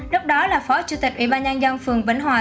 lúc đó là phó chủ tịch ủy ban nhân dân phường vĩnh hòa